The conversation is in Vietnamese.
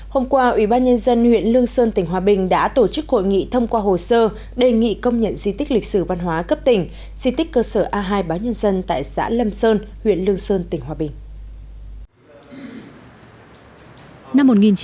hôm qua ủy ban nhân dân huyện lương sơn tỉnh hòa bình đã tổ chức hội nghị thông qua hồ sơ đề nghị công nhận di tích lịch sử văn hóa cấp tỉnh di tích cơ sở a hai báo nhân dân tại xã lâm sơn huyện lương sơn tỉnh hòa bình